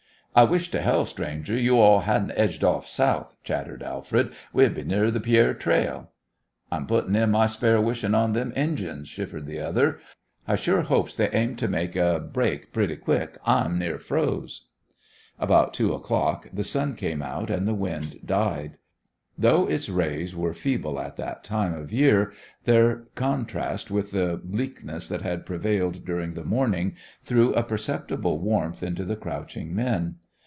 "I wish t' hell, stranger, you all hadn't edged off south," chattered Alfred. "We'd be nearer th' Pierre trail." "I'm puttin' in my spare wishin' on them Injins," shivered the other; "I sure hopes they aims to make a break pretty quick; I'm near froze." About two o'clock the sun came out and the wind died. Though its rays were feeble at that time of year, their contrast with the bleakness that had prevailed during the morning threw a perceptible warmth into the crouching men.